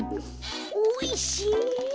おいしい。